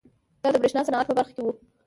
دا د برېښنا صنعت په برخه کې وه.